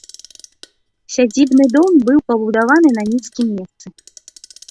Сядзібны дом быў пабудаваны на нізкім месцы.